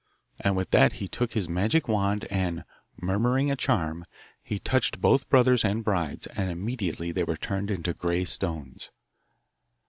And with that he took his magic wand, and, murmuring a charm, he touched both brothers and brides, and immediately they were turned into grey stones.